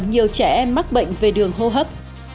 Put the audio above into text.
nhiều trẻ em mắc bệnh về đường hô hấp